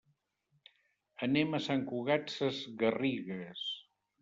Anem a Sant Cugat Sesgarrigues.